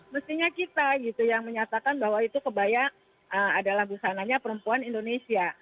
mestinya kita gitu yang menyatakan bahwa itu kebaya adalah busananya perempuan indonesia